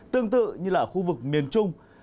tương tự như là khu vực miền trung